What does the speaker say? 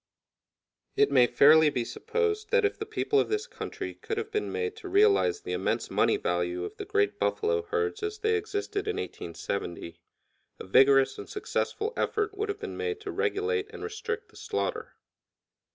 It may fairly be supposed that if the people of this country could have been made to realize the immense money value of the great buffalo herds as they existed in 1870, a vigorous and successful effort would have been made to regulate and restrict the slaughter.